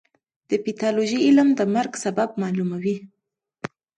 د پیتالوژي علم د مرګ سبب معلوموي.